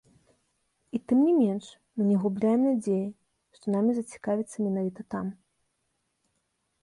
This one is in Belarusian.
І, тым не менш, мы не губляем надзеі, што намі зацікавяцца менавіта там.